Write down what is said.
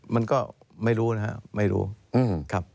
มันก็ไม่รู้นะครับ